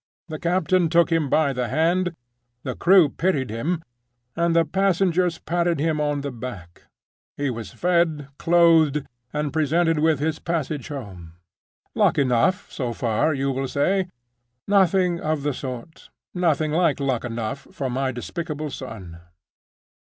The captain took him by the hand, the crew pitied him, and the passengers patted him on the back. He was fed, clothed, and presented with his passage home. Luck enough so far, you will say. Nothing of the sort; nothing like luck enough for my despicable son.